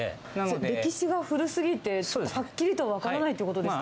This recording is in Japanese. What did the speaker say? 歴史が古すぎて、はっきりとは分からないということですか。